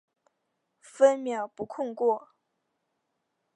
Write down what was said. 分秒不空过